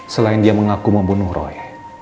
selain dia mengaku membunuh roy